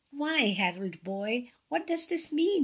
"Why, Harold, boy, what does this mean?"